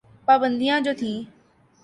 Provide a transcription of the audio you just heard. پابندیاں جو تھیں۔